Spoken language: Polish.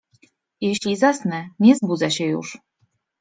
Jeśli zasnę, nie zbudzę się już.